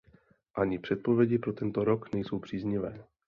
Ani předpovědi pro tento rok nejsou příznivé.